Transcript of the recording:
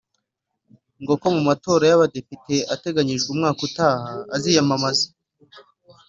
ngo kuko mu matora y’Abadepite ateganijwe umwaka utaha aziyamamaza